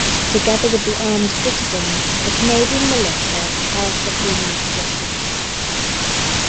Together with the armed citizens, the Canadian militia charged the Fenian positions.